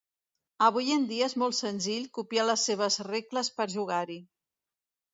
Avui en dia és molt senzill copiar les seves regles per jugar-hi.